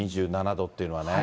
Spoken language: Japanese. ２７度というのはね。